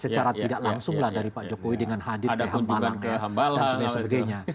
secara tidak langsung lah dari pak jokowi dengan hadir di hambalang dan sebagainya